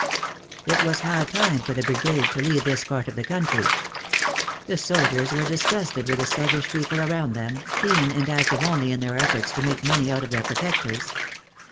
It was high time for the brigade to leave this part of the country. The soldiers were disgusted with the 320 THE ACTRESS IN HIGH LIFE. sluggish people around them, keen and active only in their efforts to make money out of their protectors.